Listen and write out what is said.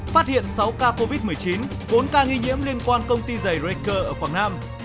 phát hiện sáu ca covid một mươi chín bốn ca nghi nhiễm liên quan công ty giày recer ở quảng nam